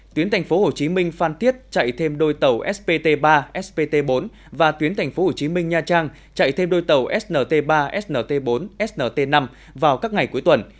tuyến tp hcm phan thiết chạy thêm đôi tàu spt ba spt bốn và tuyến tp hcm nha trang chạy thêm đôi tàu snt ba snt bốn snt năm vào các ngày cuối tuần